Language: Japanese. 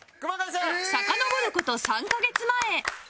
さかのぼる事３カ月前